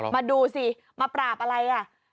มาดูสิมาปราบอะไรอ่ะ